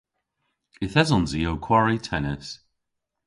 Yth esons i ow kwari tennis.